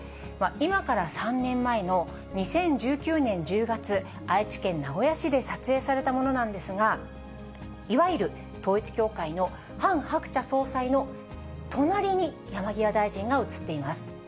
今から３年前の２０１９年１０月、愛知県名古屋市で撮影されたものなんですが、いわゆる統一教会のハン・ハクチャ総裁の隣に山際大臣が写っています。